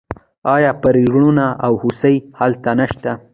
آیا پریړونه او هوسۍ هلته نشته؟